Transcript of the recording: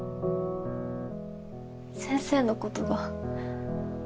先生のことが。